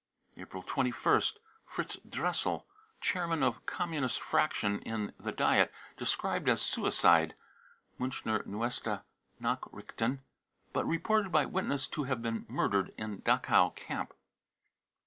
April 2 1st. fritz dressel, Chairman of Communist fraction in the Diet, described as suicide (Miinckier Meueste Nachricf&en ), but reported by witness to have been murdered in Dachau camp.